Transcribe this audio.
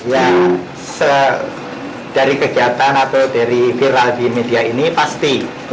yang dari kegiatan atau dari viral di media ini pasti